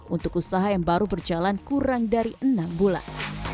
untuk usaha yang baru berjalan kurang dari enam bulan